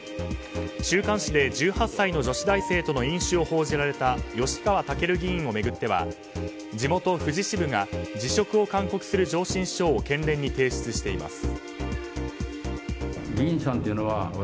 週刊誌で１８歳の女子大生との飲酒を報じられた吉川赳議員を巡っては地元・富士支部が辞職を勧告する上申書を県連に提出しています。